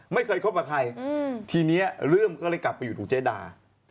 ไม่เคยคบกับใครทีนี้เรื่องก็เลยกลับไปอยู่ถูกเจดา